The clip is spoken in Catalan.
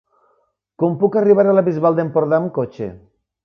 Com puc arribar a la Bisbal d'Empordà amb cotxe?